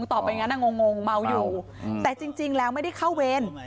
ต่อไปงั้นงงเมาอยู่แต่จริงแล้วไม่ได้เข้าเวร